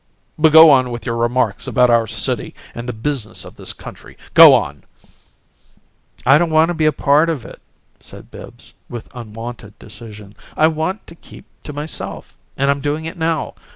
But go on with your remarks about our city and the business of this country. Go on!" "I don't want to be a part of it," said Bibbs, with unwonted decision. "I want to keep to myself, and I'm doing it now.